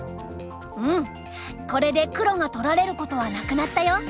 うんこれで黒が取られることはなくなったよ。